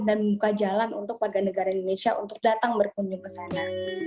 dan membuka jalan untuk warga negara indonesia untuk datang berkunjung ke sana